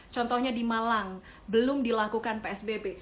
contohnya di malang belum dilakukan psbb